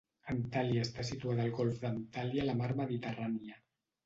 Antalya està situada al golf d'Antalya a la mar Mediterrània.